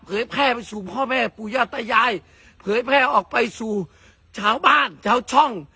แพร่ไปสู่พ่อแม่ปู่ย่าตายายเผยแพร่ออกไปสู่ชาวบ้านชาวช่อง